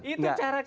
itu cara kita gimana